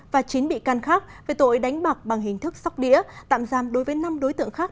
và chín bị can khác về tội đánh bạc bằng hình thức sóc đĩa tạm giam đối với năm đối tượng khác